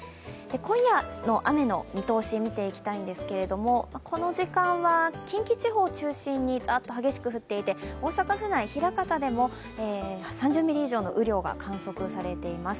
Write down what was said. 今夜の雨の見通し見ていきたいんですけれども、この時間は近畿地方を中心にザッと激しく降っていて大阪府内、枚方でも３０ミリ以上の雨量が観測されています。